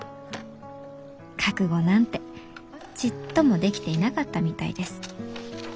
覚悟なんてちっともできていなかったみたいです。